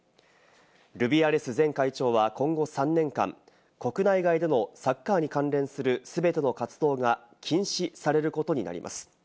ルビアレス前会長は今後３年間、国内外でのサッカーに関連する全ての活動が禁止されることになります。